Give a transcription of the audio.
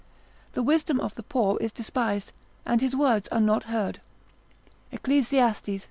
The wisdom of the poor is despised, and his words are not heard. Eccles.